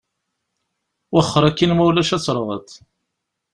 Wexxeṛ akin ma ulac ad terɣeḍ.